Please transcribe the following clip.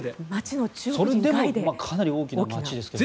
それでもかなり大きな街ですからね。